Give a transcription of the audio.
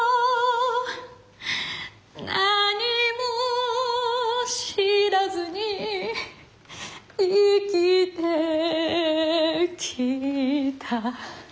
「何も知らずに生きてきた」